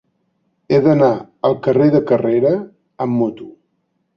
He d'anar al carrer de Carrera amb moto.